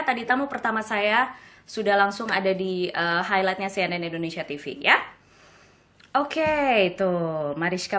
tadi tamu pertama saya sudah langsung ada di highlightnya cnn indonesia tv ya oke itu mariska